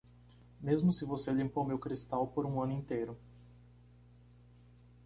Mesmo se você limpou meu cristal por um ano inteiro...